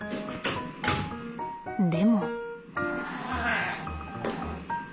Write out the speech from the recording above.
でも。